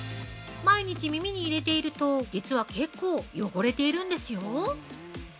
毎日耳に入れていると、実は結構、汚れているんですよ。